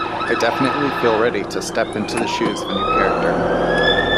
I definitely feel ready to step into the shoes of a new character.